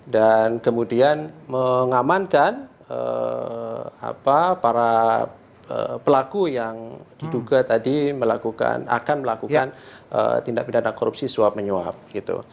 dan kemudian mengamankan para pelaku yang diduga tadi akan melakukan tindak pidana korupsi suap menyuap gitu